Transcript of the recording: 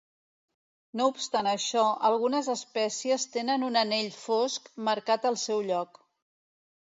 No obstant això, algunes espècies tenen un anell fosc marcat al seu lloc.